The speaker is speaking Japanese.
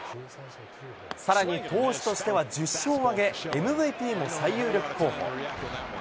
さらに投手としては１０勝を挙げ、ＭＶＰも最有力候補。